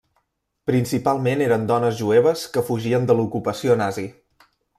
Principalment eren dones jueves que fugien de l'ocupació nazi.